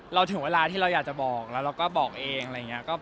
ถึงเวลาที่เราอยากจะบอกแล้วเราก็บอกเองอะไรอย่างนี้